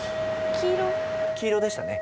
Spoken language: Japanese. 黄色黄色でしたね